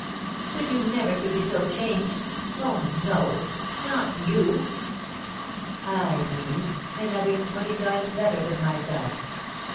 "But you never could be so changed! Oh, no, not you!" "Ay, me, and others twenty times better than myself!